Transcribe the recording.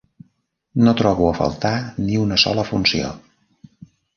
No trobo a faltar ni una sola funció.